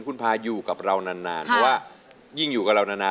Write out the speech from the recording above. คุณพาอยู่กับเรานานเพราะว่ายิ่งอยู่กับเรานาน